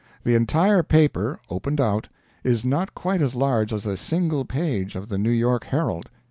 The entire paper, opened out, is not quite as large as a single page of the New York HERALD.